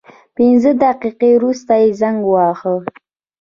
پنځه دقیقې وروسته یې زنګ وواهه.